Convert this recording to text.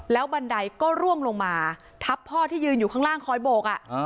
บันไดก็ร่วงลงมาทับพ่อที่ยืนอยู่ข้างล่างคอยโบก